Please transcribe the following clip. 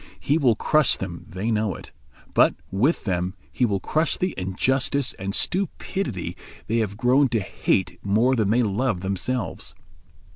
He will crush them, they know it; but with them he will crush the injustice and stupidity they have grown to hate more than they love themselves.